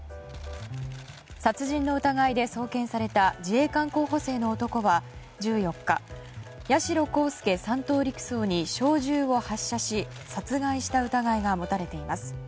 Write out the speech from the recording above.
殺人の疑いで送検された自衛官候補生の男は１４日、八代航佑３等陸曹に小銃を発射し殺害した疑いが持たれています。